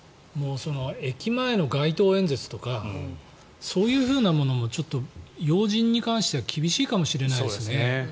駅前の街頭演説とかそういうものもちょっと要人に関しては厳しいかもしれないですね。